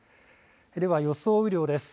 では、予想雨量です。